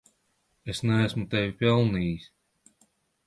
Es neesmu tevi pelnījis.